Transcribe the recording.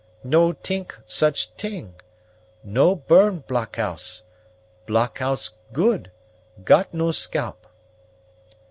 "No t'ink such t'ing. No burn blockhouse. Blockhouse good; got no scalp."